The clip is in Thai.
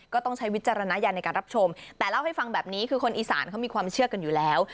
ต้องใช้วิจารณญาณในการรับชมแต่เล่าให้ฟังแบบนี้คือคนอีสานเขามีความเชื่อกันอยู่แล้ว